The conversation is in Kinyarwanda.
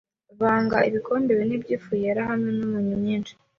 Vanga ibikombe bine by'ifu yera hamwe n'umunyu mwinshi